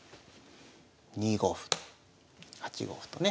２五歩８五歩とね。